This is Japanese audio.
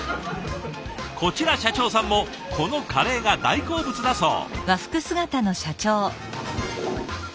こちら社長さんもこのカレーが大好物だそう。